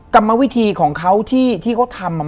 กรรมวิธีของเขาที่เขาทำ